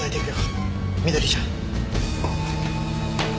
翠ちゃん。